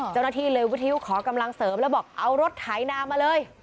เจ้าหน้าที่เลยวิทยุขอกำลังเสริมแล้วบอกเอารถไถนามาเลย